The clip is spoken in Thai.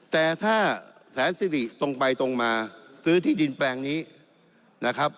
แต่ถ้าแสนสิริตรงไปตรงมาซื้อที่ดินแปลงนี้นะครับ